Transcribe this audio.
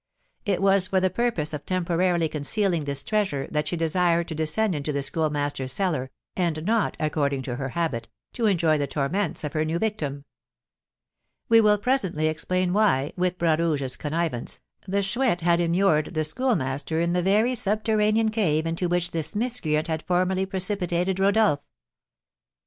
It was for the purpose of temporarily concealing this treasure that she desired to descend into the Schoolmaster's cellar, and not, according to her habit, to enjoy the torments of her new victim. We will presently explain why, with Bras Rouge's connivance, the Chouette had immured the Schoolmaster in the very subterranean cave into which this miscreant had formerly precipitated Rodolph.